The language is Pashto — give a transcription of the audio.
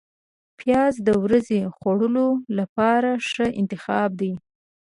پیاز د ورځې خوړلو لپاره ښه انتخاب دی